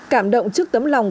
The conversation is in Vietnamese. cảm động trước tấm lòng